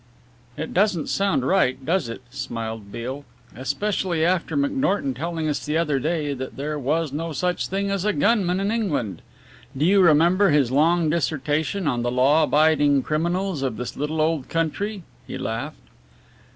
"It doesn't sound right, does it?" smiled Beale, "especially after McNorton telling us the other day that there was no such thing as a gunman in England. Do you remember his long dissertation on the law abiding criminals of this little old country?" he laughed.